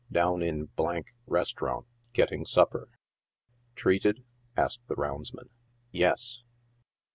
Down in restaurant, getting supper." " Treated V } asked the roundsman. « Yes."